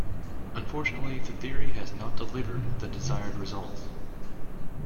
Unfortunately, the theory has not delivered the desired results.